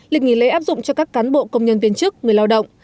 lịch nghỉ lễ áp dụng cho các cán bộ công nhân viên chức người lao động